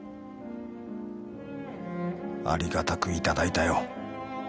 ありがたくいただいたよ。